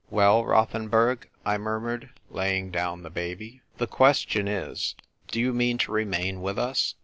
"Well, Rothenburg? " I murmured, laying down the baby. " The question is, do you mean to remain with us